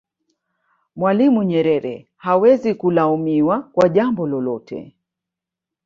mwalimu nyerere hawezi kulaumiwa kwa jambo lolote